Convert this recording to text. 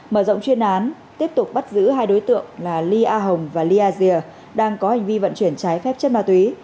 mở rộng chuyên án tiếp tục bắt giữ hai đối tượng là ly a hồng và lya dìa đang có hành vi vận chuyển trái phép chất ma túy